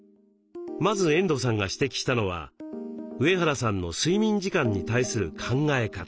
まず遠藤さんが指摘したのは上原さんの睡眠時間に対する考え方。